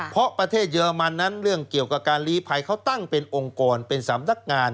เพราะประเทศเยอรมันนั้นเรื่องเกี่ยวกับการลีภัยเขาตั้งเป็นองค์กรเป็นสำนักงาน